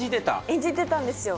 演じてたんですよ